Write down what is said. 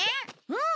うん！